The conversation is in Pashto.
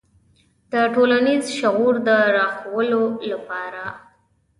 د ټولنیز شعور د راویښولو لپاره.